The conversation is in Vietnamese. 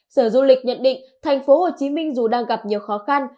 sở du lịch nhận định thành phố hồ chí minh dù đang gặp nhiều khó khăn